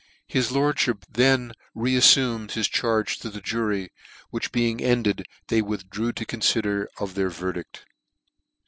His lord <f Ihip then re affumed his charge to the jury, " which being ended, they withdrew to confider ^ of their verdict."